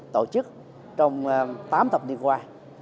tổ chức trong tám thập niên qua